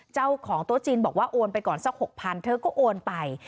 เจ้าของโต๊ะจีนบอกว่าโอนไปก่อนสัก๖๐๐๐เธอก็โอนไป